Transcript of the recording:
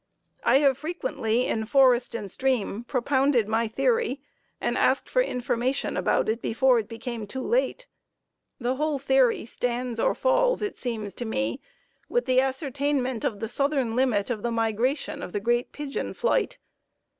I have frequently in Forest and Stream propounded my theory and asked for information about it before it became too late. The whole theory stands or falls, as it seems to me, with the ascertainment of the southern limit of the migration of the great pigeon flight.